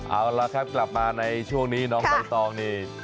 เอาละครับกลับมาในช่วงนี้น้องใบตองนี่